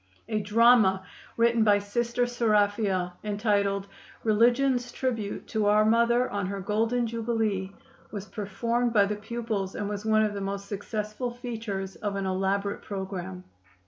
A drama, written by Sister Seraphia, entitled "Religion's Tribute to Our Mother on Her Golden Jubilee," was performed by the pupils, and was one of the most successful features of an elaborate programme.